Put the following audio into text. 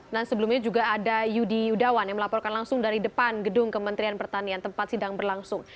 dan sebelumnya juga ada yudi yudawan yang melaporkan langsung dari depan gedung kementerian pertanian tempat sidang berlangsung